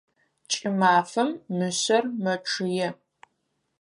Кӏымафэм мышъэр мэчъые.